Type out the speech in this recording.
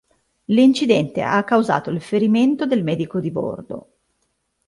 L'incidente ha causato il ferimento del medico di bordo.